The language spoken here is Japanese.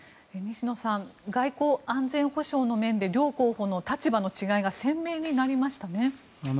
西野さん外交・安全保障の面で両候補の立場の違いが鮮明になりましたね。